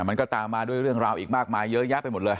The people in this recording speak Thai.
มันก็ตามมาด้วยเรื่องราวอีกมากมายเยอะแยะไปหมดเลย